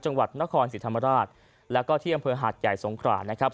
จังหวัดนครศรีธรรมราชแล้วก็ที่อำเภอหาดใหญ่สงขรานะครับ